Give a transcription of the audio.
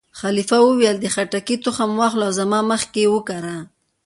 خلیفه وویل: د خټکي تخم وا اخله او زما مخکې یې وکره.